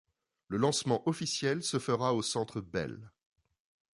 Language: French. Le lancement officiel ce fera au Centre Bell.